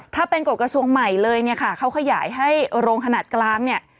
ถ้าเป็นกฎกระทรวงใหม่เลยเนี่ยค่ะเขาขยายให้โรงขนาดกลางเนี่ย